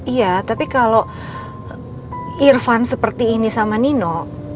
iya tapi kalau irfan seperti ini sama nino